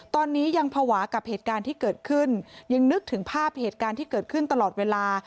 ตอนนี้ยังภาวะกับเหตุการณ์ที่เกิดขึ้นยังนึกถึงภาพเหตุการณ์ที่เกิดขึ้นตลอดเวลา